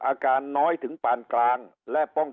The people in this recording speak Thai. อาการน้อยถึงปานกลาง